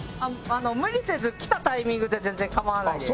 無理せず来たタイミングで全然構わないです。